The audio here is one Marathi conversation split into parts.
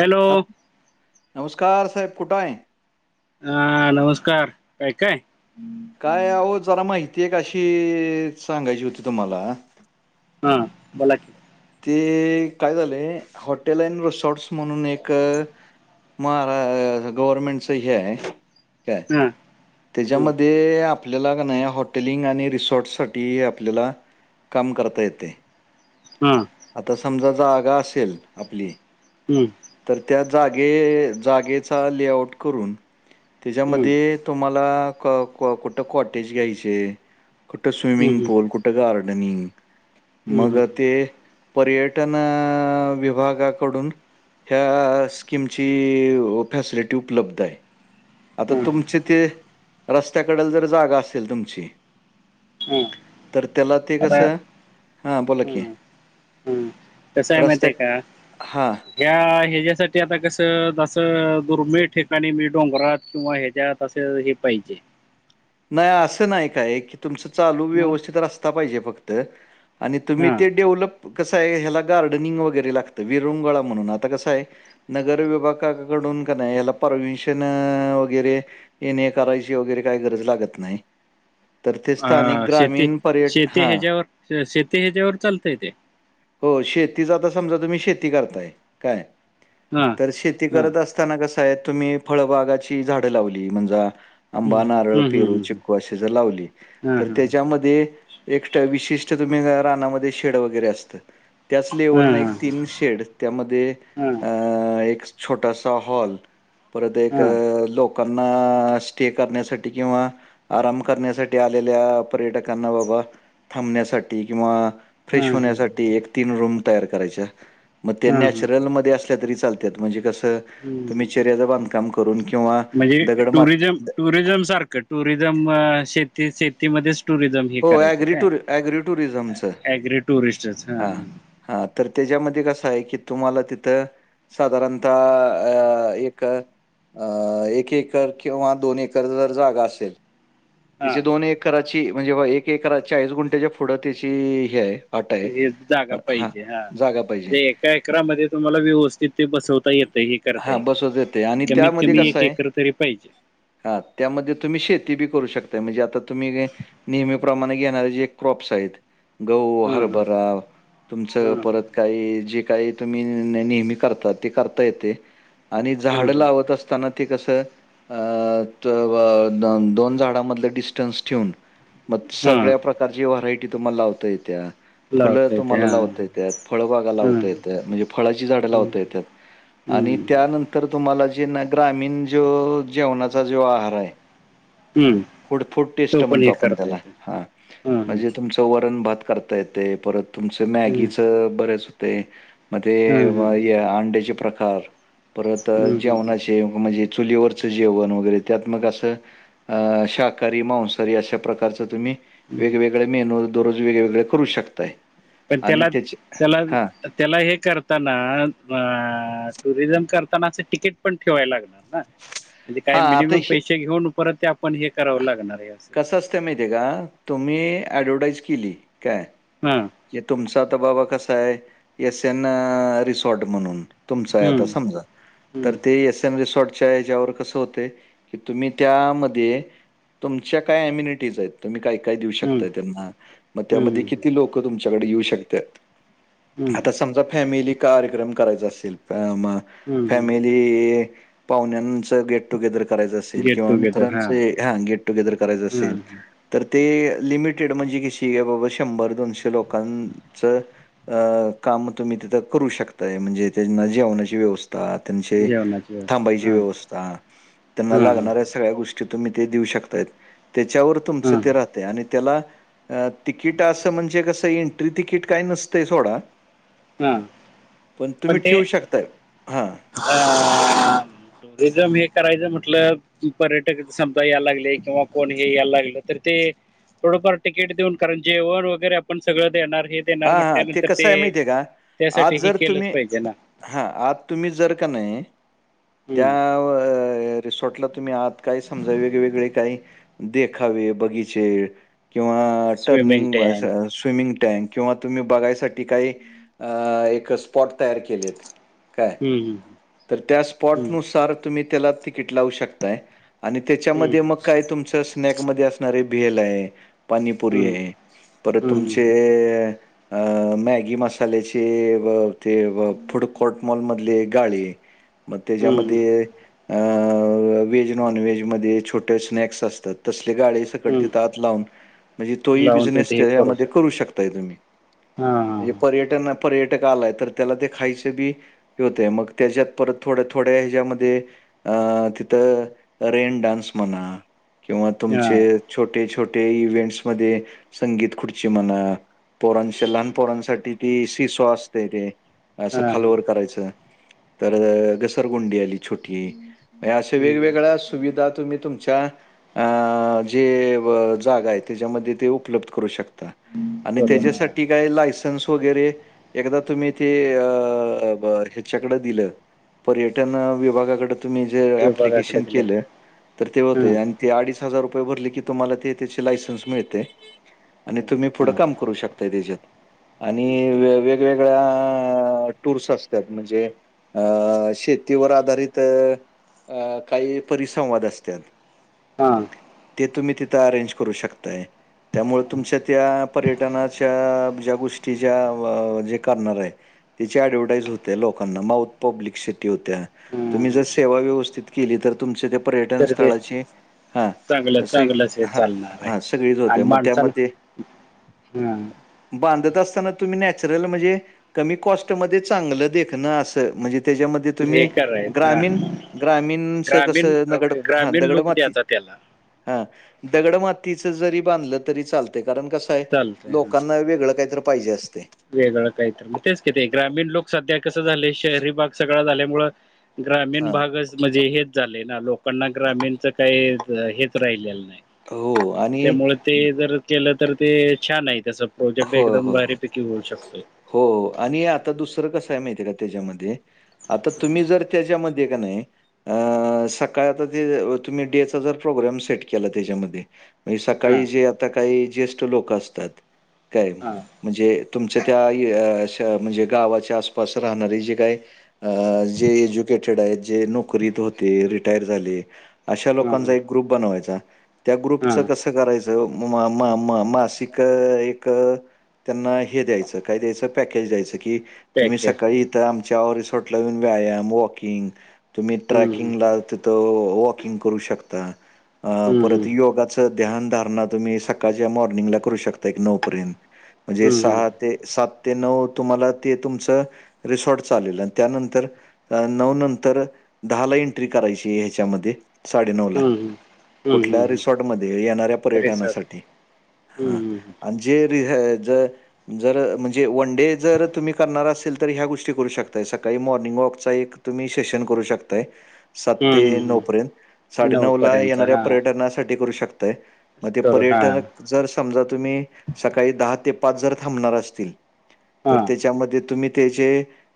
हॅलो हॅल नमस्कार साहेब कुठं आहे? हा नमस्कार काय काय काय होह जरा माहिती आहे का अशी सांगायची होती तुम्हाला हम्म बोला कि ते काय झाले हॉटेल अँड रिसॉर्ट्स म्हणून एक मारा गवर्नमेंट हे आहे काय हा हम्म त्याच्यामध्ये आपल्याला नाही हॉटेलिंग आणि रिसॉर्ट साठी आपल्याला काम करता येते. हा आता समजा जागा जागा असेल आपली हम्म तर त्या जागे जागेचा लेआउट करून हम्म त्याच्यामध्ये तुम्हाला क क कुठं कॉटेज घ्यायचे? कुठ हम्म स्विमिंग हम्म पूल कुठं गार्डनिंग हम्म मग हम्म ते पर्यटन अ विभागाकडून ह्या स्ककीमची फॅसिलिटी उपलब्ध आहे. आता हम्म तुमचे ते रस्त्याकडेल जर जागा असेल तुमची हम्म तर त्याला ते आता कसं हा बोला की हम्म हम्म कसं आहे माहित रस्त्या आहे का? हां. या ह्याच्यायासाठी आता कसं जसं दुर्मिळ ठिकाणी मी डोंगरात किंवा हयाच्यात तसे हे पाहिजे नाही असं नाही काय की तुमचं चालू मग व्यवस्थित असता पाहिजे फक्त आणि तुम्ही हा ते डेव्हलप कसं आहे ह्याला गार्डनिंग वगैरे लागतं विरुंगळा म्हणून आता कसं आहे. नगर विभागाकडून का नाही याला परमिशन वगैरे येणे करायची वगैरे काही गरज लागतं नाही. तर ते स्थानिक अ शेती ग्रामीण पर्यटक शेती हा ह्याच्यावर शेती ह्याच्यावर चालतय ते हो शेतीचा आ समजा तुम्ही शेती करताय काय हा तर शेती हा करत अस क तुम्ही फळबागाची झाड लावली म्हणजे आंबा हम्म नारळ हम्म पेरू हम्म चिकू असं जर लावली हम्म हा तर हा त्याच्यामध्ये एक ते विशिष्ट तुम्ही रानामध्ये शेड वगैरे असतं. त्याच लेवल ना एक हा तीन शेड त्यामध्ये हा अ एक छोटासा हॉल परत एक हा लोक लोकांना आ स्टे करण्यासाठी किंवा आराम करण्यासाठी आलेल्या पर्यटकांना बाबा थांबण्यासाठी किंवा आ फ्रेश हा हा होण्यासाठी एक तीन रूम तैयार करायच्या मग ते हा हा नॅचरल मध्ये असल्या तरी चालतंय. त्यात म्हणजे कसं तुम्ही हम्म चर्याचं बांधकाम करून किंवा म्हणजे दगड मात टुरिझम द- टुरिझम सारखं टुरिझम अ शेती शेतीमध्येच टुरिझम हे हो करायचं ॲग्री काय टूर ॲग्री टुरिझमचं ऍग्री टुरिस्टच हा तर त्याच्यामध्ये कसं आहे की तुम्हाला तिथं साधारणता अ अ एक अ एक एकर किंवा दोन एकर जर जागा असेल. हा त्याची दोन एकराची म्हणजे बा एक एकर चाळीस गुंठ्याच्या पुढं त्याची हे आहे. अट आहे हे जागा हां पाहिजे. हा जागा पाहिजे म्हणजे एका एकरा मध्ये तुम्हाला व्यवस्थित ते बसवता येते. हे करता हां येते. बसवता आणि कमीत कमी एक एकर तरी पाहिजे. हा त्यामध्ये तुम्ही शेती बी करू शक म्हणजे आता तुम्ही नेहमीप्रमाणे घेणारे जे क्रॉप्स आहेत. गहू, हा हा हरभरा तुमचं हा परत काही जे काही तुम्ही नेहमी करता ते करता येते. आणि हा झाड लावत असताना. ते कसं अ तव दोन झाडांमध्ये डिस्टन्स ठेवून. मग हा हा सगळ्या प्रकारची व्हरायटी तुम्हाला लावता येत्या. फुलं लावता येते तुम्हाला हा लावता येतात. फळबागा हा लावता येत्या म्हणजे फळाची झाडं हम्म लावता येतात. आणि हम्म. त्यानंतर तुम्हाला जे ना ग्रामीण जो जेवणाचा जो आहार आहे. हम्म. फूड फूड तो टेस्ट पण हे म्हणतो. आपण करता त्याला येत हा म्हणजे तुमचं वरण भात करता येते परत तुमचं हा मॅगीच बरेच होतय. मग हा तेव्हा हे अंड्याचे प्रकार परत हा जेवणाचे म्हणजे चुलीवरचं जेवण वगैरे त्यात मग असं अ शाक हरी, मांसहारी अशा प्रकारचे तुम्ही हा वेगवेगळे मेनू दररोज वेगवेगळे करू शकताय. पण आणि त्याला त्याचे त्याला हां, त्याला हे करताना. म् टुरिझम करतानाच तिकीट पण ठेवाय लागल. ह म्हणजे काही हां, आता मिनिमम हे पैसे घेऊन परत ते आपण हे करावं लागणार आहे असं. तर माहित आहे का, तुम्ही ॲडव्हर्टाईज केली काय हम्म! हे तुमचा आता बाबा कसा आहे एस एन रिसॉर्ट म्हणून तुमच आहे आता हम्म, समजा. हम्म, तर ते एस एम रिसॉर्टच्या हेच्यावर कसं होतय. की तुम्ही त्यामध्ये तुमच्या काय एम्यनिटीज आहेत. तुम्ही काय काय देऊ हम्म, शकताय. त्यांना मग त्यामध्ये हम्म, किती लोक तुमच्याकडे येऊ शकतात. हम्म, आता समजा फॅमिली कार्यक्रम करायचा असेल तर म हम्म, हम्म. फॅमिली पाहुण्यांच गेट टुगेदर करायच असेल गेट किंवा टुगेदर हां मित्रांचे हा गेट टुगेदर करायचं हां असेल. तर ते लिमिटेड म्हणजे किशी बाबा शंभर दोनशे लोकांचं अ काम तुम्ही तिथं करू शकताय. म्हणजे त्यांना जेवणाची व्यवस्था त्यांचे जेवणाची व्यवस्था थांबायची हां व्यवस्था त्यांना हां लागणाऱ्या सगळ्या गोष्टी तुम्ही ते देऊ शकताय. त्याच्यावर तुमचं हां हां ते राह आणि त्याला तिकिट असं म्हणजे कसं एंट्री तिकीट काय नसतंय सोडा. ह पण तुम्ही ते ठेवू शकताय. हां. टुरिझम हे करायचं म्हटलं पर्यटक समजा यायला लागले किंवा कोण हे यायला लागलं तर ते थोडंफार तिकीट देऊन. कारण जेवण वगैरे आपण सगळ देणार हे हा देणार हा ते म्हटल्यानंतर कसं आहे माहिती आहे का, त्यासाठी आज हे जर केलंच तुम्ही पाहिजे ना हा आज तुम्ही जर का नाही त्या हम्म रिसॉर्टला तुम्ही आत काय समजा वेगवेगळे काही देखावे, बगीचे किंवा टर्निंग स्विमिंग म स टँक स्विमिंग टँक किंवा तुम्ही बघायसाठी काही अ एक स्पॉट तयार केलेत काय हम्म तर त्या हम्म स्पॉटनुसार तुम्ही त्याला तिकीट लावू शकताय. आणि हम्म त्याच्यामध्ये मग काय तुमचं स्नॅकमध्ये असणारे भेल आहे. पानीपुरी हम्म ये परत हम्म तुमचे अ मॅगी मसाल्याचे ब ते ब फूड कोर्टमॉल मधले गाळे म हम्म हम्म मध्ये अ व्हेज नॉन व्हेजमध्ये छोटे स्नॅक्स असतात तसले गाळे ते हम्म कडतेत आत लावून म्हणजे तोही लावून बिझनेस तिथे हे त्यामध्ये शकतो करू शकताय तुम्ही हा म्हणजे पर्यटन पर्यटक आलाय तर त्याला ते खायचं बी हे होतय मग त्याच्यात परत थोड्या थोड्या ह्याच्यामध्ये अ तिथं रेन डान्स म्हणा किंवा हा हा तुमचे छोटे छोटे इव्हेंट्स मध्ये संगीत खुर्ची म्हणा पोरांशी लहान पोरांसाठी ती शि सो असतय ते हा असं हा हा खालवर करायचं. परत घसरगुंडी आली छोटी म्हणजे असे हम्म वेगवेगळ अस सुविधा तुम्ही तुमच्या अ जे बं जागा आहे त्याच्यामध्ये ते उपलब्ध करू शकता. बरोबर हा त्याज्यासाठी काय लायसन्स वगैरे एकदा तुम्ही ते अ ब ह्याच्याकड दिलं. पर्यटन विभागाकड तुम्ही जे विभागाकडे अप्लिकेशन दिलं केलं तर तर ते होतय आणि हम्म ते अडीच हजार रुपये भरले की तुम्हाला ते त्याचे लायसन्स मिळतंय आणि तुम्ही हा पुढं काम करू शकताय त्याच्यात आणि वेगवेगळ्या अअ टूर्स असत्यात म्हणजे अ अ शेतीवर आधारित अ काही परिसंवाद असत्यात. हा ते तुम्ही तिथं अरेंज करू शकताय त्यामुळ तुमच्या त्या पर्यटनाच्या ज्या गोष्टी ज्या जे करणार ये. त्याची ऍडव्हटाईज होतीय लोकांना माउथ पब्लिकसिटी होत्या तुम्ही हम्म. जर सेवा व्यवस्थित केली तर तुमचे त्या पर्यटन स्थळाची हा चांगला असं चांगलाच हे हा चालणार हाय हा सगळीच होते आणि मग माणसाला त्यामध्ये हा बांधत असताना तुम्ही नॅचरल म्हणजे कमी कॉस्टमध्ये चांगलं देखणं असं म्हणजे त्याच्यामध्ये हे तुम्ही करायचं हा. ग्रामीण ग्रामीणस ग्रामीण कसं नगड हा ग्रामीण दगड लोक माती द्यायचा त्याला हा दगडमातीचं जरी बांधलं तरी चालतय कारण कस काय चालतंय हा लोकांना वेगळं कायतर पाहिजे असतय. वेगळं कायतर म तेच कि ते ग्रामीण लोक सध्या कसं झालय शहरी भाग सगळा झाल्यामुळ ग्रामीण हा भागाचं मजे हेच झालय ना लोकांना ग्रामीणच काही हेच राहिलेलं नाय. हो आणि त्यामुळे ते जर केलं तर ते छान आहे त्याच प्रोजेक्ट होय एकदम होय होय भारी होऊ शकतोय. हो आणि आता दुसरं कसं हाय माहितीय का त्याच्यामध्ये आता तुम्ही जर त्याच्याम ध्ये क नाय अ सकाळ आता ते तुम्ही डे चा जर प्रोग्राम सेट केला त्याच्यामध्ये म्हणजे हा सकाळी जजी आता काही ज्येष्ठ लोक असतात. काय हा म्हणजे तुमच्या त्या य श म्हणजे गावाच्या आसपास राहणारे जे काय जे एज्युकेटेड आहेत जे नोकरीत होते रिटायर झाले. अशा हा लोकांचा हा एक ग्रुप बनवायचा त्या ग्रुपच हा कस करायस मा मा मा मासिक एक त्यांना हे द्यायच काय द्यायच पॅकेज द्यायच की तुम्ही पॅकेज सकाळी त्या आमच्या रिसॉर्टला येऊन व्यायाम, वॉकिंग तुम्ही ट्रॅकिंगल हम्म आलत तो वॉकिंग करु शकता हं, परत हं, योगात चं ध्यान धारणा तुम्ही सकाळच्या मॉर्निंग ला करू शकताय की नऊ पर्यंत म्हणजे हं, हं, सहा ते सात ते नवं तुम्हाला ते तुमचं रिसॉर्ट चालेल अनं त्यानंतर नऊ नंतर दहा ला एंट्री करायची ह्याच्यामध्ये साडेनऊला हं, हं, हं, कुठल्या हं, रिसॉर्टमध्ये येणाऱ्या पर्यटनासाठी हम् हां हम हम आणि जे र हे जर जर म्हणजे वन डे जर तुम्ही करणार असेल तर ह्या गोष्टी करू शकताय सकाळी मॉर्निंग वॉकचा एक तुम्ही सेशन करू शकताय सात हं, ते हं, नऊ हं. पर्यंत साडे नऊ ला पर्यंत येणाऱ्या हा पर्यटनासाठी करू शकताय मग ते करू हा पर्यटन जर समजा तुम्ही सकाळी दहा ते पाच जर थांबणार असतील हा तर त्याच्यामध्ये तुम्ही त्याचे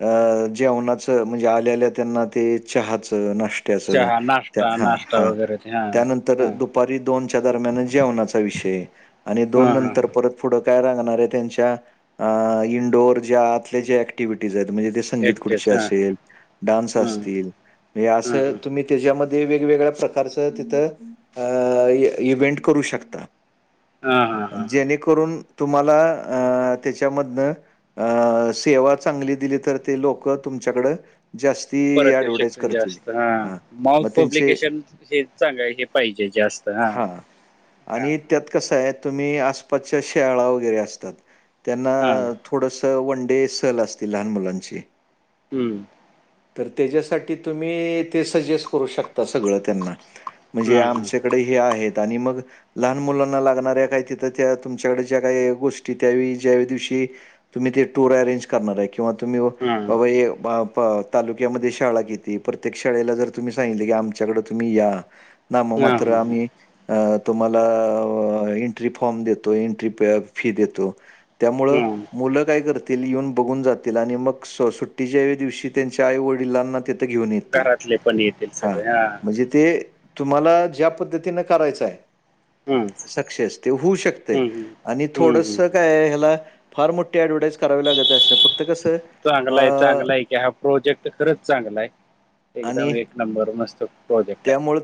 अ जेवणाचं म्हणजे आल्या आल्या त्यांना ते चहाचं नाश्त्य चहा नाश्त्याचं नाश्ता हा नाश्ता हा वगैरे ते हा त्यानंतर हा दुपारी दोनच्या दरम्यान जेवणाचा विषय आणि हा दोन हा नंत हा. परत पुढं काय लागणारंय त्यांच्या आ इनडोअर ज्या आतल्या ज्या ऍक्टिव्हिटीस आहेत म्हणजे दिस संगीत एकटेच खुर्ची हा असेल, हा असतील हे अस हा हा तुम्ही त्याच्यामध्ये वेगवेगळ्या प्रकारच तिथं अ इव्हेंट करू शकता हा हा हा. जेणेकरून तुम्हाला अ त्याच्यामधनं अ सेवा चांगली दिली तर ते लोक तुमच्याकडं जास् परत येऊ शकतय जास्त हा माउथ मग त्यांचे पब्लिकेशन हे चांगली आहे हे पाहिजे जास्त हां. हा आणि त्यात कसंय तुम्ही आसपासच्या शाळा वगैरे असतात त्यांना हा थोडस वन डे सहल असती लहान मुलांची हम्म- तर त्याच्यासाठी तुम्ही ते सजेस्ट करू शकता सगळं त्यांना म्हणजे हा हा आमच्याकडे हे आहेत आणि मग लहान मुलांना लागणाऱ्या काही तिथं त्या तुमच्याकड ज्या काही गोष्टी त्यावेळी ज्या दिवशी तुम्ही ते टूर ॲरेंज करणारय किंवा तुम्ही हा बाबा हे ब ब तालुक्यामध्ये शाळा घेती प्रत्येक शाळेला जर तुम्ही सांगितले की आमच्याकडं तुम्ही या नाम हा मात्र हा आम्ही अ तुम्हाला इ फ्री फॉर्म देतोय एंट्री फी देतो त्यामुळे हा. मुलं काय कर येऊन बघून जातील आणि मग सुट्टीच्या दिवशी त्यांच्या आई वडिलांना ति घेऊन येतील घरातले पण येतील हा सगळे म्हणजे ते तुम्हाला ज्या पद्धतीनं करायचाय हम्म सक्सेस? ते होऊ शकतय हम्म हम्म आणि हम्म थोडस हम्म हम्म. काय ह्या हेला फार मोठी ॲडव्हर्टाइज करावी लागत असं नाही फक्त कसं चांगलाय अ, चांगलाय की हा प्रोजेक्ट खरंच चांगलाय आणि एकदम एक नंबर मस्त प्रोजेक्टय त्यामुळं